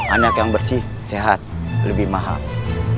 anak yang bersih sehat lebih mahal